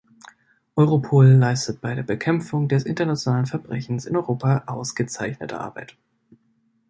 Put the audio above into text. Europol leistet bei der Bekämpfung des internationalen Verbrechens in Europa ausgezeichnete Arbeit.